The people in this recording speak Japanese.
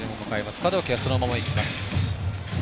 門脇はそのままいきます。